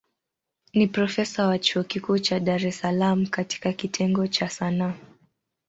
Ni profesa wa chuo kikuu cha Dar es Salaam katika kitengo cha Sanaa.